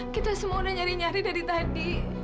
kita semua udah nyari nyari dari tadi